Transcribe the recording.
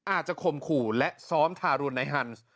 อาจจะคมขู่และซ้อมทารุลในฮันส์